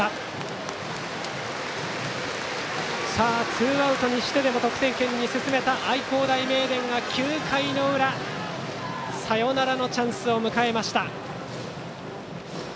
ツーアウトにしてでも得点圏に進めた愛工大名電が９回裏サヨナラのチャンスを迎えました。